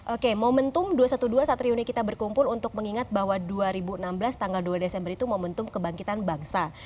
oke momentum dua ratus dua belas satriuni kita berkumpul untuk mengingat bahwa dua ribu enam belas tanggal dua desember itu momentum kebangkitan bangsa